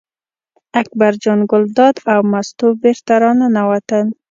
اکبر جان ګلداد او مستو بېرته راننوتل.